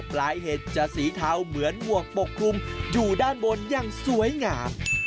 เห็ดจะสีเทาเหมือนหมวกปกคลุมอยู่ด้านบนอย่างสวยงาม